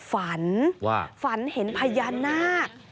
ฝันเห็นพญานาค